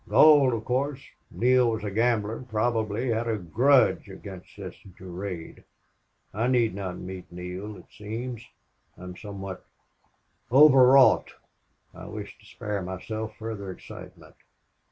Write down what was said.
"Gold, of course. Neale was a gambler. Probably he had a grudge against this Durade.... I need not meet Neale, it seems, I am somewhat overwrought. I wish to spare myself further excitement."